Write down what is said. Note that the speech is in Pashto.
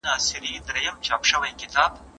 زه کولای سم سبزیحات تيار کړم!؟